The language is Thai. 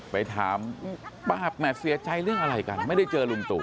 ไปถามป้าแม่เสียใจเรื่องอะไรกันไม่ได้เจอลุงตู่